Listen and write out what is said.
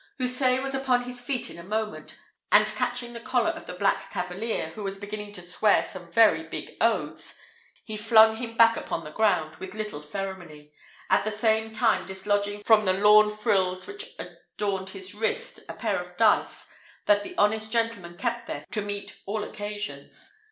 Houssaye was upon his feet in a moment, and, catching the collar of the black cavalier, who was beginning to swear some very big oaths, he flung him back upon the ground with little ceremony, at the same time dislodging from the lawn frills which adorned his wrists a pair of dice, that the honest gentleman kept there to meet all occasions.